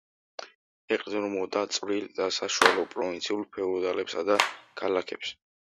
ეყრდნობოდა წვრილ და საშუალო პროვინციულ ფეოდალებსა და ქალაქებს.